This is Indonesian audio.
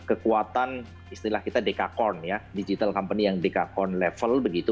jadi sebuah kekuatan istilah kita dekakorn ya digital company yang dekakorn level begitu